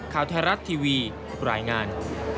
สวัสดีครับ